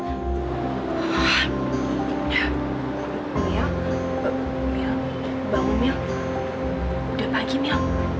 mia bangun mia udah pagi mia